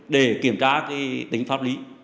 để kiểm tra cái tính pháp lý